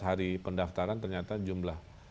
hari pendaftaran ternyata jumlah